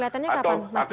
kelihatannya kapan mas